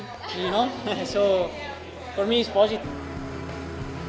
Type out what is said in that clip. jadi untuk saya itu positif